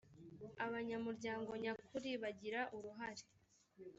abanyamuryango nyakuri bagira uruhare